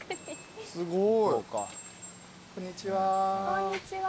こんにちは。